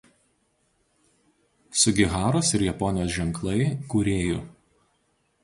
Sugiharos ir Japonijos ženklai" kūrėjų.